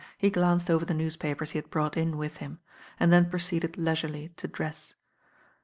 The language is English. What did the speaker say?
"' he glanced over the newspaper, he had brought m with him, and then proceeded le^ jurely to dre... By